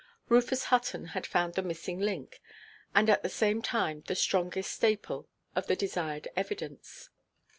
Rufus Hutton had found the missing link, and at the same time the strongest staple, of the desired evidence.